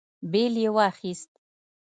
بېل يې واخيست.